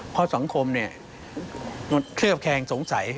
เพราะสังคมมันเคลือบแคงสงสัย